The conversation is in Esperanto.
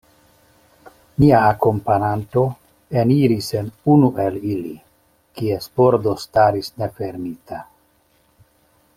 Mia akompananto eniris en unu el ili, kies pordo staris nefermita.